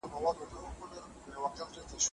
هغه وویل چې موږ باید پر نوي نسل پانګونه وکړو.